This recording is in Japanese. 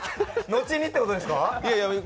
後にってことですか？